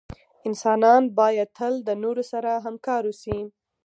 انسانان باید تل دنورو سره همکار اوسې